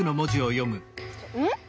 うん？